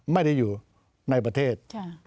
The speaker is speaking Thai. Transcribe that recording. ไม่ได้อยู่ในประเทศ